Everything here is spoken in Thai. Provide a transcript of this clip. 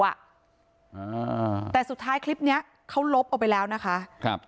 อ่าแต่สุดท้ายคลิปเนี้ยเขาลบเอาไปแล้วนะคะครับ